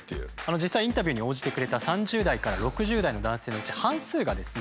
実際インタビューに応じてくれた３０代から６０代の男性のうち半数がですね